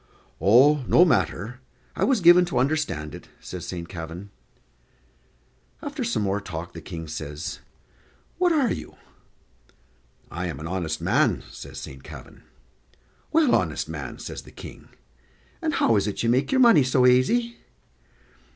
"Oh, no matter; I was given to understand it," says Saint Kavin. After some more talk the King says, "What are you?" "I'm an honest man," says Saint Kavin. "Well, honest man," says the King, "and how is it you make your money so aisy?"